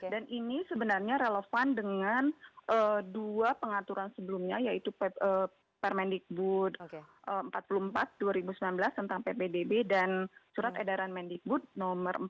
dan ini sebenarnya relevan dengan dua pengaturan sebelumnya yaitu permendingbud empat puluh empat dua ribu sembilan belas tentang ppdb dan surat edaran mendingbud nomor empat